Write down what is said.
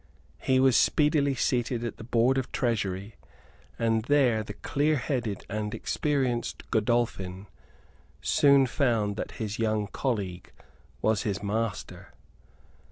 He was speedily seated at the Board of Treasury; and there the clearheaded and experienced Godolphin soon found that his young colleague was his master.